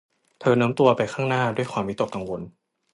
เธอโน้มตัวไปข้างหน้าด้วยความวิตกกังวล